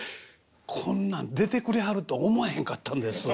こんなん出てくれはると思えへんかったんです。